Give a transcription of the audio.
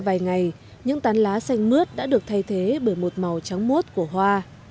và qua vài ngày những tán lá xanh mướt đã được thay thế bởi một màu trắng mút của hoa